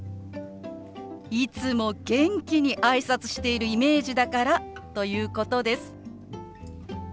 いつも元気に挨拶してるイメージだからということです。